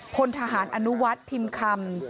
พลทหารอนุวัฒน์พิมพ์คำ